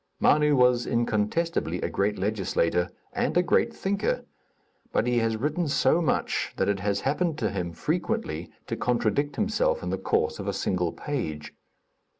Manu was incontestably a great legislator and a great thinker, but he has written so much that it has happened to him frequently to contradict himself in the course of a single page.